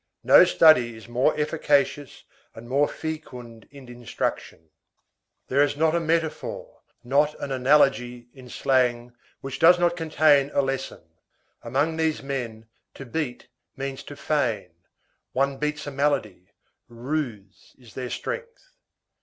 No study is more efficacious and more fecund in instruction. There is not a metaphor, not an analogy, in slang, which does not contain a lesson. Among these men, to beat means to feign; one beats a malady; ruse is their strength.